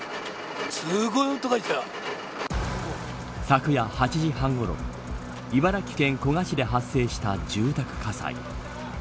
昨夜８時半ごろ茨城県古河市で発生した住宅火災。